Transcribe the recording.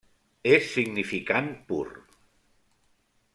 És significant pur.